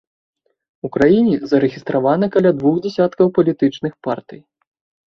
У краіне зарэгістравана каля двух дзясяткаў палітычных партый.